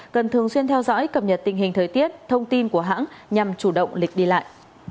cần thường xuyên theo dõi cập nhật tình hình thời tiết thông tin của hãng nhằm chủ động lịch đi lại